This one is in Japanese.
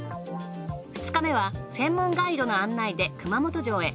２日目は専門ガイドの案内で熊本城へ。